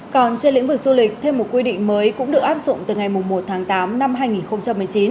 còn trên lĩnh vực du lịch thêm một quy định mới cũng được áp dụng từ ngày một tháng tám năm hai nghìn một mươi chín